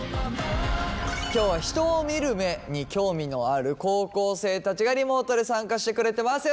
今日は人を見る目に興味のある高校生たちがリモートで参加してくれてます。